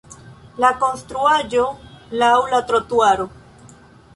La konstruaĵo laŭ la trotuaro.